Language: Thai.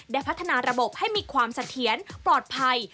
พัฒนาระบบให้มีความเสถียรปลอดภัย